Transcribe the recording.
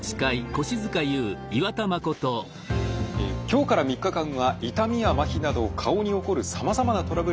今日から３日間は痛みやまひなど顔に起こるさまざまなトラブルについてお伝えしています。